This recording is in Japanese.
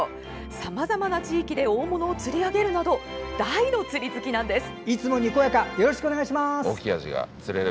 さまざまな地域で大物を釣り上げるなど大の釣り好きなんです。